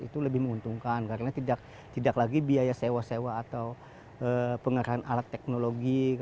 itu lebih menguntungkan karena tidak lagi biaya sewa sewa atau pengerahan alat teknologi